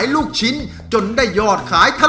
น้องไมโครโฟนจากทีมมังกรจิ๋วเจ้าพญา